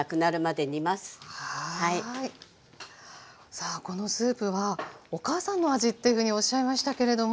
さあこのスープはお母さんの味というふうにおっしゃいましたけれども。